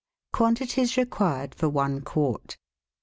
Quantities Required for One Quart.